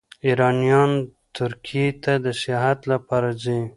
ایرانیان ترکیې ته د سیاحت لپاره ځي.